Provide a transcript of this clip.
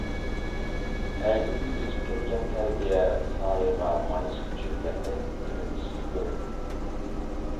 پەيتىدىن ئۆتۈپ كەتكەن تەربىيە، سايغا مايسا كۆچۈرگەندەك ئۈنۈمسىزدۇر.